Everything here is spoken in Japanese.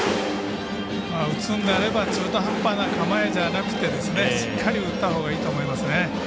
打つのであれば中途半端な構えじゃなくてしっかり打ったほうがいいと思いますね。